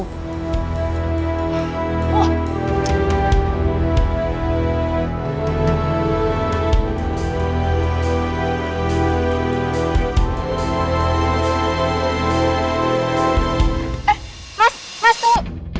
eh mas mas tunggu